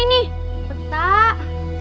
ini kita teman teman